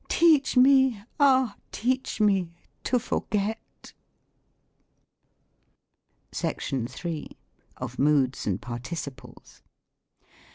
Teach me, ah ! teach me ' to forget !'" SECTION III. OF MOODS AND PARTICIPLES.